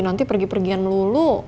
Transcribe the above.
nanti pergi pergian lulu